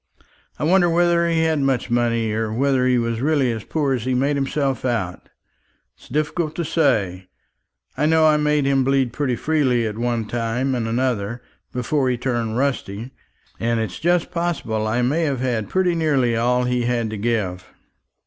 I wonder whether he had much money, or whether he was really as poor as he made himself out. It's difficult to say. I know I made him bleed pretty freely, at one time and another, before he turned rusty; and it's just possible I may have had pretty nearly all he had to give."